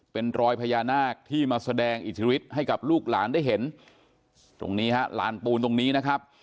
เป็นรอยพญานาคที่มาแสดงอิทธิฤทธิ์ให้กับลูกหลานได้เห็นตรงนี้ฮะลานปูนตรงนี้นะครับ